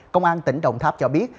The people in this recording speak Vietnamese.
công an tỉnh đồng tháp cho biết